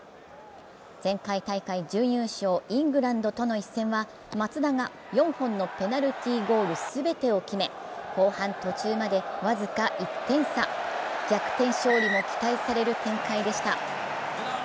前回大会準優勝・イングランドとの一戦は、松田が４本のペナルティゴール全てを決め後半途中まで僅か１点差、逆転勝利も期待される展開でした。